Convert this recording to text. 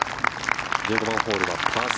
１５番ホールはパー３。